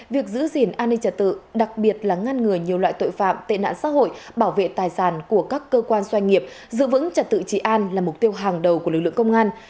việc giữ gìn an ninh trật tự đặc biệt là ngăn ngừa nhiều loại tội phạm tệ nạn xã hội bảo vệ tài sản của các cơ quan doanh nghiệp giữ vững trật tự trị an là mục tiêu hàng đầu của lực lượng công an